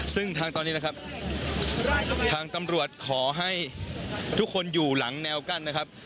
ซึ่งทางตอนนี้นะครับทางตำรวจขอให้ทุกคนอยู่หลังแนวกั้นนะครับ